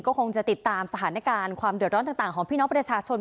ก็คงจะติดตามสถานการณ์ความเดือดร้อนต่างของพี่น้องประชาชน